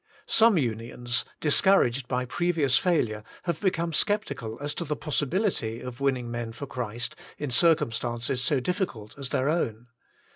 Some Unions, discouraged by previous failure, have become sceptical as to the possibility of winning men for Christ in circumstances so difficult as their own.